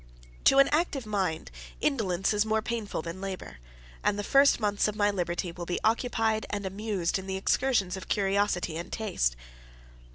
To an active mind, indolence is more painful than labor; and the first months of my liberty will be occupied and amused in the excursions of curiosity and taste.